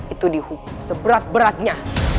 itu dihukum seberat beratnya